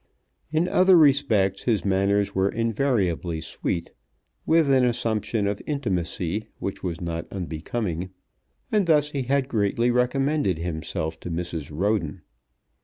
In other respects his manners were invariably sweet, with an assumption of intimacy which was not unbecoming; and thus he had greatly recommended himself to Mrs. Roden.